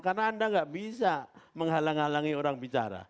karena anda tidak bisa menghalang halangi orang bicara